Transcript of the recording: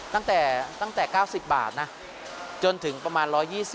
ตั้งแต่๙๐บาทนะจนถึงประมาณ๑๒๐